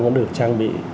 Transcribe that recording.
nó được trang bị